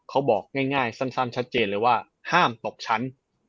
บอกง่ายสั้นชัดเจนเลยว่าห้ามตกชั้น